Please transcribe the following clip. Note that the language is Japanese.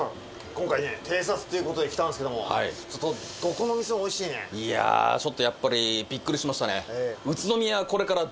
今回ね偵察ってことで来たんですけどもどこの店もおいしいねいやちょっとやっぱりびっくりしましたね